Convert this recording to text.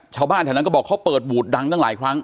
ชาวบ้านแถวนั้นก็บอกเขาเปิดบูดดังตั้งหลายครั้ง